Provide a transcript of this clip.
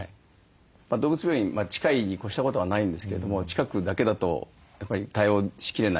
動物病院近いに越したことはないんですけれども近くだけだとやっぱり対応しきれない。